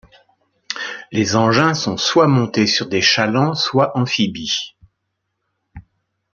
Les engins sont soit montés sur des chalands soit amphibies.